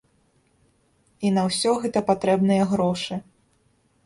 І на ўсё гэта патрэбныя грошы.